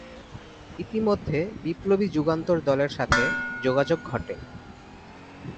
ইতিমধ্যে বিপ্লবী যুগান্তর দলের সাথে যোগাযোগ ঘটে।